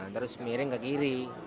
terus miring ke kiri